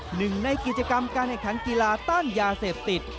หนึ่งในกิจกรรมการแข่งขันกีฬาต้านยาเสพติด